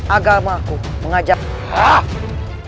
agama aku mengajakmu